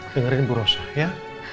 dengerin ibu rosa ya